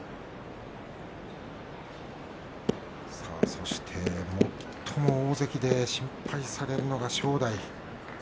そして最も大関で心配されるのが正代。